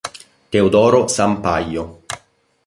Teodoro Sampaio